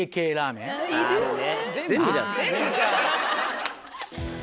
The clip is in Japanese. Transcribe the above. いいですね。